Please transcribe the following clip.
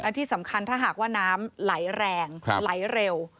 แล้วที่สำคัญถ้าน้ำไหลแรงไหลเร็ว